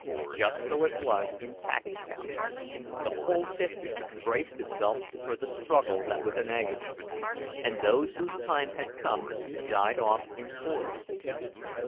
Just so it was in Packingtown; the whole district braced itself for the struggle that was an agony, and those whose time was come died off in hordes.